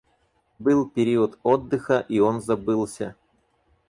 Был период отдыха, и он забылся.